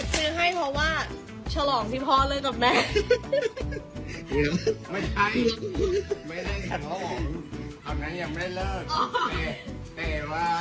เชิญให้เพราะว่า